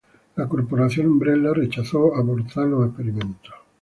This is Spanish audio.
La Corporación Umbrella rechazó abortar los experimentos.